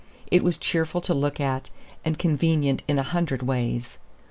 It was cheerful to look at, and convenient in a hundred ways.